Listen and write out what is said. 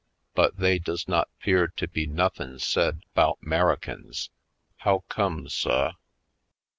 But they does not 'pear to be nothin' said 'bout 'Merikins. How come, suh?"